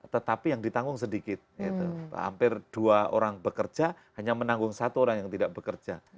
tetapi yang ditanggung sedikit hampir dua orang bekerja hanya menanggung satu orang yang tidak bekerja